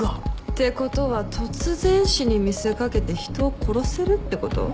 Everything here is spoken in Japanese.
てことは突然死に見せ掛けて人を殺せるってこと？